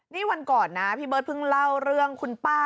นี่วันก่อนนะพี่เบิร์ดเพิ่งเล่าเรื่องคุณป้า